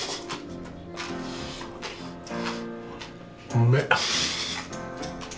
うめえ！